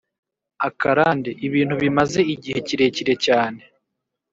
akarande: ibintu bimaze igihe kirekire cyane,